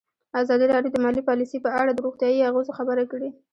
ازادي راډیو د مالي پالیسي په اړه د روغتیایي اغېزو خبره کړې.